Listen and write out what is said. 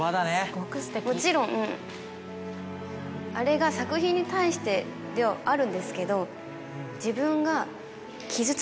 もちろんあれが作品に対してではあるんですけど。